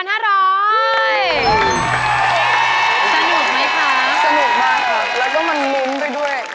สนุกมากค่ะแล้วก็มันลุ้มไปด้วย